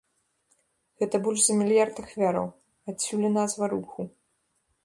Гэта больш за мільярд ахвяраў, адсюль і назва руху.